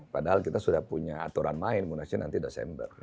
padahal kita sudah punya aturan main munasnya nanti desember